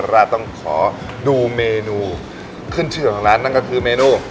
แรกต้องขอดูเมนูขึ้นชื่อของร้านนั่นก็คือเมนู